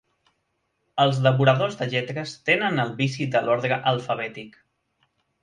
Els devoradors de lletres tenen el vici de l'ordre alfabètic.